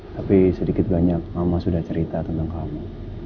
tapi sedikit banyak mama sudah cerita tentang kamu